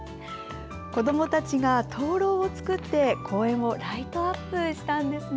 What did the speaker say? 子どもたちが灯籠を作って公園をライトアップしたんですね。